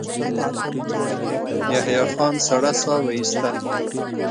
يحيی خان سړه سا وايسته.